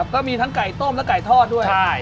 ก็มีทั้งไก่ต้มและไก่ทอดด้วย